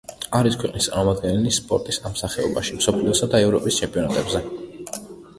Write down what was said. არის ქვეყნის წარმომადგენელი სპორტის ამ სახეობაში მსოფლიოსა და ევროპის ჩემპიონატებზე.